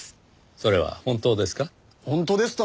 それは本当ですか？